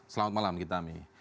selamat malam gita mi